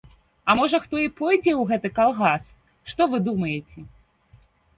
А можа, хто і пойдзе ў гэты калгас, што вы думаеце?